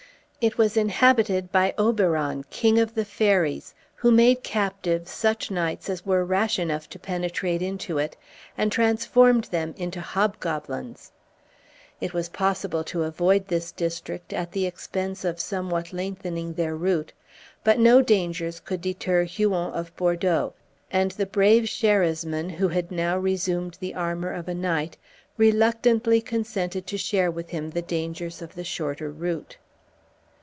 It was inhabited by Oberon, King of the Fairies, who made captive such knights as were rash enough to penetrate into it, and transformed them into Hobgoblins. It was possible to avoid this district at the expense of somewhat lengthening their route; but no dangers could deter Huon of Bordeaux; and the brave Sherasmin, who had now resumed the armor of a knight, reluctantly consented to share with him the dangers of the shorter route.